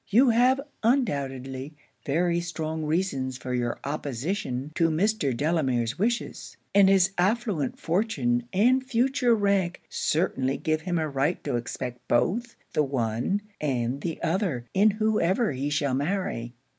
You have, undoubtedly, very strong reasons for your opposition to Mr. Delamere's wishes: and his affluent fortune and future rank certainly give him a right to expect both the one and the other in whoever he shall marry.